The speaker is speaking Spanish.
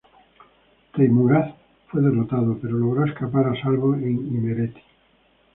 Teimuraz fue derrotado, pero logró escapar a salvo en Imereti.